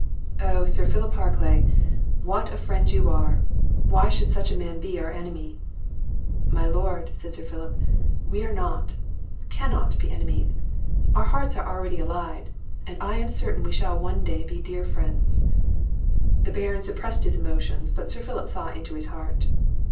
"Oh, Sir Philip Harclay, what a friend are you! why should such a man be our enemy?" "My lord," said Sir Philip, "we are not, cannot be enemies; our hearts are already allied; and I am certain we shall one day be dear friends." The Baron suppressed his emotions, but Sir Philip saw into his heart.